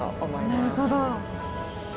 なるほど。